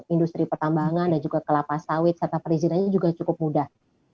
industri pertambangan dan juga kelapa sawit serta perizinannya juga cukup mudah